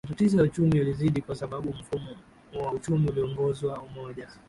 matatizo ya uchumi yalizidi kwa sababu mfumo wa uchumi ulioongozwa moja